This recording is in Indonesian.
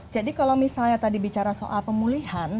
jadi kalau misalnya tadi bicara soal pemulihan